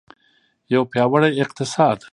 یو پیاوړی اقتصاد.